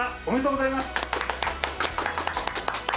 おめでとうございます！